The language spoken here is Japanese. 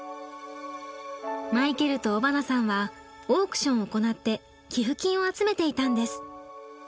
マイケルと尾花さんはオークションを行って寄付金を集めていたんです。